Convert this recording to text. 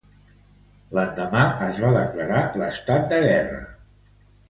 L'endemà, es va declarar l'estat de guerra.